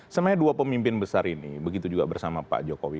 sebenarnya dua pemimpin besar ini begitu juga bersama pak jokowi